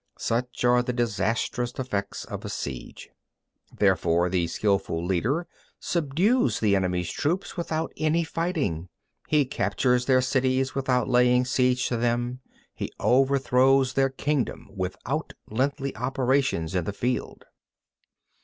Such are the disastrous effects of a siege. 6. Therefore the skilful leader subdues the enemy's troops without any fighting; he captures their cities without laying siege to them; he overthrows their kingdom without lengthy operations in the field.